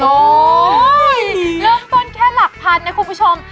เริ่มต้นแค่หลักพันนะคุณผู้ชม